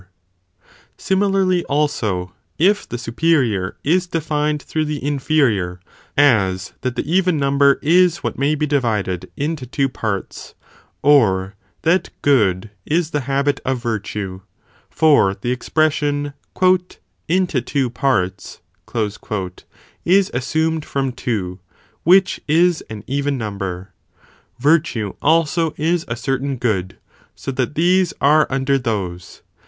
Norby the _ Similarly also if the superior is defined through subjects of the the inferior, as that the even number is what may thing defined. be divided into two parts, or that good is the habit of virtue ; for the expression, "into two parts," is assumed from two, which is an even number; virtue also is a certain good, so that these are under those.